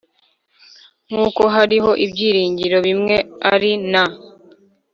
nk uko hariho ibyiringiro bimwe ari na